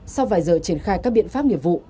sau vài giờ triển khai các biện pháp nghiệp vụ